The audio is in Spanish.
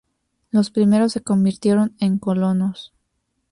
Los primeros se convirtieron en colonos.